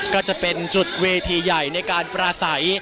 ก็จะเป็นจุดเวทีใหญ่ในการปราศัย